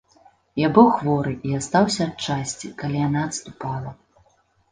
Я быў хворы і астаўся ад часці, калі яна адступала.